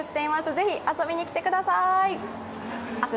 是非、遊びに来てください。